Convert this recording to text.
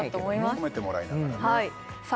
褒めてもらいながらねさあ